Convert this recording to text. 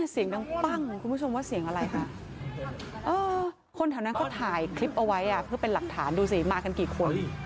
เสียงดังปั้งคุณผู้ชมว่าเสียงอะไรคะคนแถวนั้นเขาถ่ายคลิปเอาไว้เพื่อเป็นหลักฐานดูสิมากันกี่คน